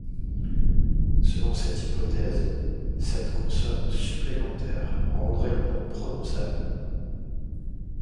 Selon cette hypothèse, cette consonne supplémentaire rendrait le nom prononçable.